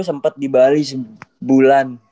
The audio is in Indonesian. sempet di bali sebulan